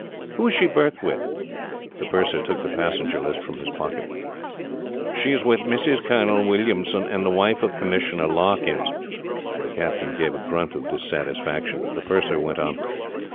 Who is she berthed with?" The purser took the passenger list from his pocket. "She is with Mrs. Colonel Williamson, and the wife of Commissioner Larkins." The captain gave a grunt of dissatisfaction. The purser went on.